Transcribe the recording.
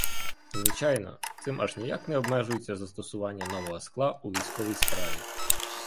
Звичайно, цим аж ніяк не обмежується застосування нового скла у військовій справі.